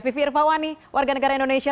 vivi irvawani warga negara indonesia